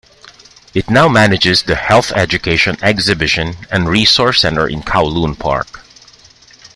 It now manages the Health Education Exhibition and Resource Centre in Kowloon Park.